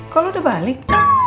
kok lo udah balik